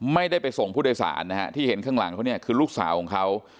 ไม่ได้ไปส่งผู้โดยสารนะฮะที่เห็นข้างหลังเขาเนี่ยคือลูกสาวของเขา